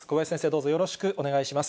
小林先生、どうぞよろしくお願いいたします。